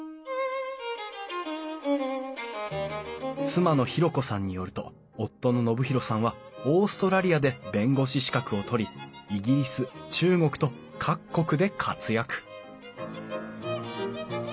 妻の裕子さんによると夫の信博さんはオーストラリアで弁護士資格を取りイギリス中国と各国で活躍！